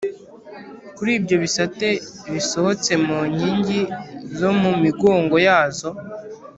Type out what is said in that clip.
Kuri ibyo bisate bisohetse mu nkingi zo mu migongo yazo